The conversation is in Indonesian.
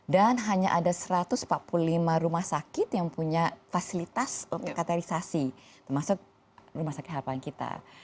dan hanya ada satu ratus empat puluh lima rumah sakit yang punya fasilitas katerisasi termasuk rumah sakit harapan kita